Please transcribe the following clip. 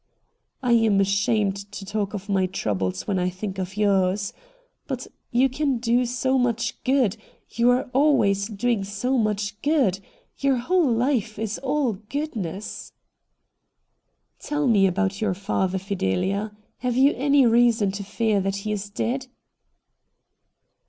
' I am ashamed to talk of my troubles when I think of yours. But you can do so 154 RED DIAMONDS much good — you are always doing so much good — your whole life is all goodness.' ' Tell me about your father, Fidelia. Have you any reason to fear that he is dead